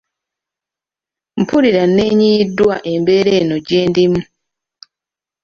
Mpulira neenyiyiddwa embeera eno gye ndimu.